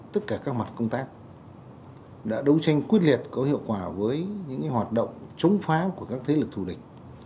tất cả các mặt công tác đã đấu tranh quyết liệt có hiệu quả với những hoạt động chống phá của các thế lực thù địch